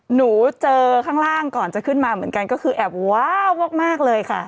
หนูเจอข้างล่างก่อนจะขึ้นมาเหมือนกันก็คือแอบว้าวมากเลยค่ะ